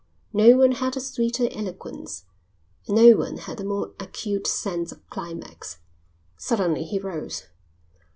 No one had a sweeter eloquence, and no one had a more acute sense of climax. Suddenly he rose.